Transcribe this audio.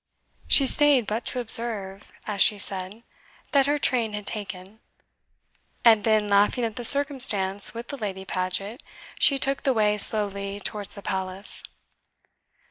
"She stayed but to observe," as she said, "that her train had taken;" and then, laughing at the circumstance with the Lady Paget, she took the way slowly towards the Palace.